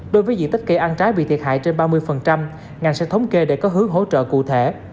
đối với diện tích cây ăn trái bị thiệt hại trên ba mươi ngành sẽ thống kê để có hướng hỗ trợ cụ thể